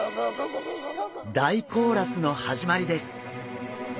大コーラスの始まりです。